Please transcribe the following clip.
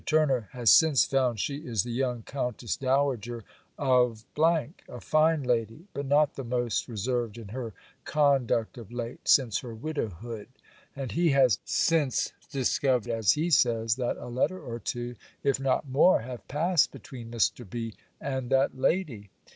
Turner has since found she is the young Countess Dowager of , a fine lady; but not the most reserved in her conduct of late, since her widowhood. And he has since discovered, as he says, that a letter or two, if not more, have passed between Mr. B. and that lady.